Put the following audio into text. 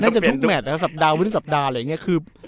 นั่นจะทุกแมทนะครับสัปดาห์วินสัปดาห์อะไรอย่างเงี้ย